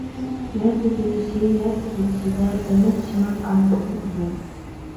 يەر تۈزۈلۈشى يەر تۈزۈلۈشىدە جەنۇب-شىمال ئارىلىقى ئۇزۇن.